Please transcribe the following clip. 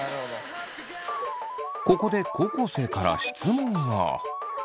ここで高校生から質問が。